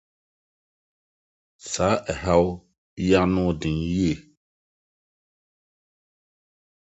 Saa ɔhyew yi ano yɛ den yiye.